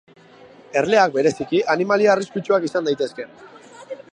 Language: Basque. Erleak, bereziki, animalia arriskutsuak izan daitezke.